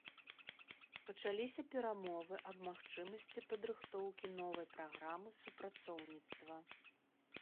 Пачаліся перамовы аб магчымасці падрыхтоўкі новай праграмы супрацоўніцтва.